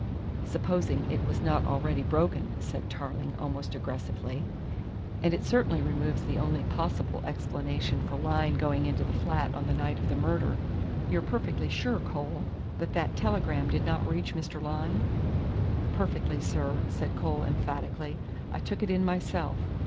"Supposing it was not already broken," said Tarling almost aggressively. "And it certainly removes the only possible explanation for Lyne going to the flat on the night of the murder. You're perfectly sure, Cole, that that telegram did not reach Mr. Lyne?" "Perfectly, sir," said Cole emphatically. "I took it in myself.